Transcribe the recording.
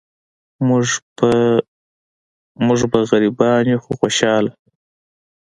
مونږ به غریبان یو خو خوشحاله.